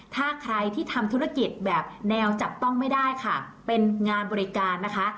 ถ้าใครที่ทำธุรกิจแบบแนวจับต้องไม่ได้ค่ะเป็นงานบริการนะคะ